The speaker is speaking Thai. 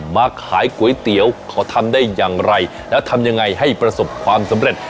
มาขายก๋วยเตี๋ยวเขาทำได้อย่างไรแล้วทำยังไงให้ประสบความสำเร็จ